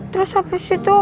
terus habis itu